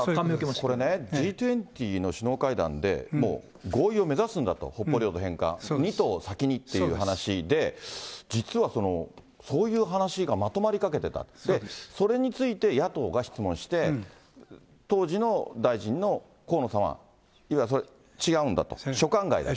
これね、Ｇ２０の首脳会談で、もう合意を目指すんだと、北方領土二島を先にっていう話で、実はそういう話がまとまりかけてた、で、それについて野党が質問して、当時の大臣の河野さんはいや、それは違うんだと、所管外だと。